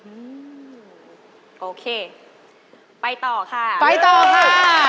อืมโอเคไปต่อค่ะไปต่อค่ะ